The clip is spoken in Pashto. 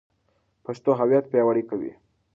پښتو هویت پیاوړی کوي.